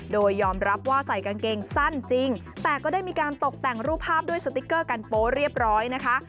โดยยอมรับว่าใส่กางเกงสั้นจริงแต่ก็ได้มีการตกแต่งรูปภาพด้วยสติ๊กเกอร์กันโป๊เรียบร้อยนะคะ